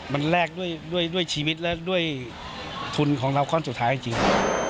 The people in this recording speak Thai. มันแลกด้วยชีวิตและด้วยทุนของเราข้อนสุดท้ายจริง